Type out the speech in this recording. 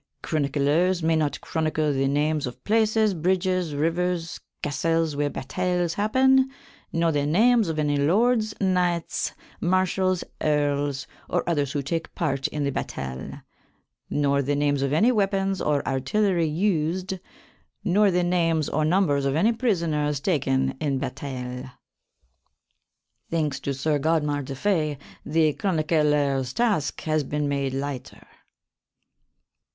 Chronyclers may not chronycle the names of places, bridges, rivers, castels where batayles happen nor the names of any lordes, knyghtes, marshals, erles, or others who take part in the batayle: nor the names of any weapons or artillery used, nor the names or numbers of any prisoners taken in batayle. Thanks to Sir Godmar de Fay the chronycler's task has been made lyghter.